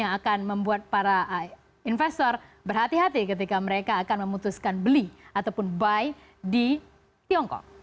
yang akan membuat para investor berhati hati ketika mereka akan memutuskan beli ataupun buy di tiongkok